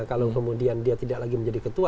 kalau kemudian dia tidak lagi menjadi ketua